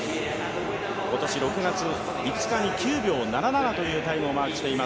今年６月に９秒７７というタイムをマークしています。